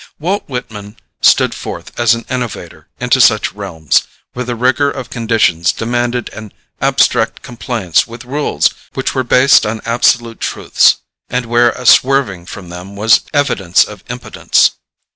Walt Whitman stood forth as an innovator into such realms, where the rigor of conditions demanded an abstract compliance with rules which were based on absolute truths, and where a swerving from them was evidence of impotence.